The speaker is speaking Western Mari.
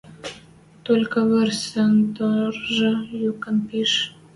Толькы вырсын тыржы юкан пиш: